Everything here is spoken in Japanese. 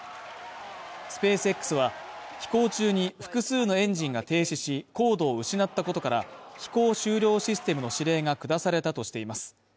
スペースＸは、飛行中に複数のエンジンが停止し、高度を失ったことから、飛行終了システムの指令が下されたとしています。